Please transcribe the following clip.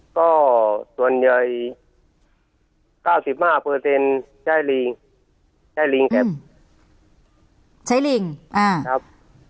ก็ส่วนใหญ่๙๕ใช้ลิงใช้ลิงแต่ใช้ลิงครับ